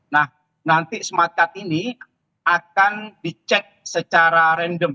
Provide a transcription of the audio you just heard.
nah nanti smart card ini akan dicek secara random